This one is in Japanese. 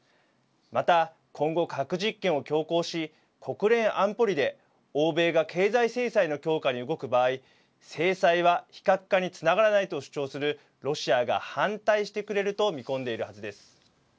また今後、核実験を強行し国連安保理で欧米が経済制裁の強化に動く場合制裁は非核化につながらないと主張するロシアが反対してくれると見込んでいるはずです。